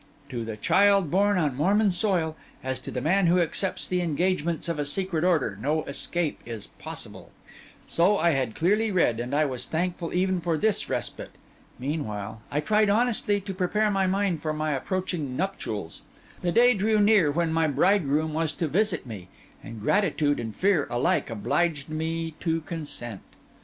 To the child born on Mormon soil, as to the man who accepts the engagements of a secret order, no escape is possible; so I had clearly read, and I was thankful even for this respite. Meanwhile, I tried honestly to prepare my mind for my approaching nuptials. The day drew near when my bridegroom was to visit me, and gratitude and fear alike obliged me to consent.